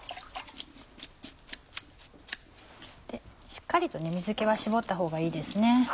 しっかりと水気は絞ったほうがいいですね。